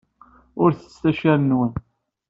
Ur ttettet accaren-nwen.